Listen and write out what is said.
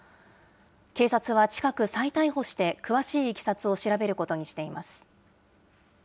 警察は近く再逮捕して、詳しいいきさつを調べることにしています。